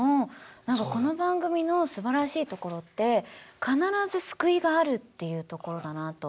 なんかこの番組のすばらしいところって必ず救いがあるっていうところだなと思ってて。